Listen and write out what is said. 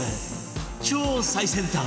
超最先端